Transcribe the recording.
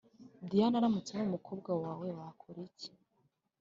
Diane aramutse ari umukobwa wawe wakora iki